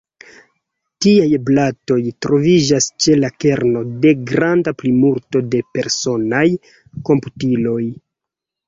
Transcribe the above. Tiaj blatoj troviĝas ĉe la kerno de granda plimulto de personaj komputiloj.